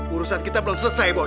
urusan kita belum selesai bos